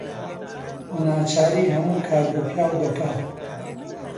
ناچاری هەموو کار بە پیاو دەکا